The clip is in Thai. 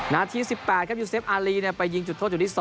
นาที๑๘ครับยูเซฟอารีไปยิงจุดโทษจุดที่๒